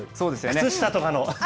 靴下とかの。